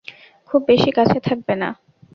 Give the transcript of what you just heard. খুব বেশি কাছে থাকবে না।